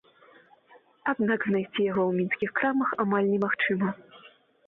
Аднак знайсці яго ў мінскіх крамах амаль не магчыма.